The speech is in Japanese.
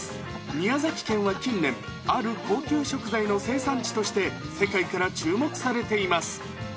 宮崎県は近年、ある高級食材の生産地として、世界から注目されています。